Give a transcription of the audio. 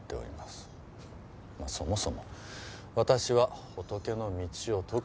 そもそも私は仏の道を説く。